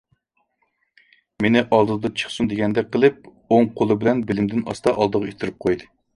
مېنى ئالدىدا چىقسۇن دېگەندەك قىلىپ ئوڭ قولى بىلەن بېلىمدىن ئاستا ئالدىغا ئىتتىرىپ قويدى.